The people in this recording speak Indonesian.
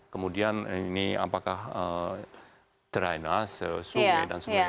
kemudian ini apakah drainase sungai dan sebagainya